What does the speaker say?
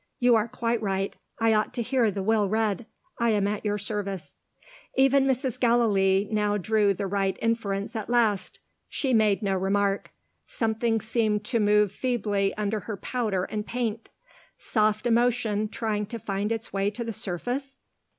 "You are quite right. I ought to hear the Will read I am at your service." Even Mrs. Gallilee now drew the right inference at last. She made no remark. Something seemed to move feebly under her powder and paint. Soft emotion trying to find its way to the surface?